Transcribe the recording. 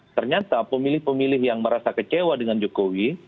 ternyata pemilih pemilih yang merasa kecewa dengan jokowi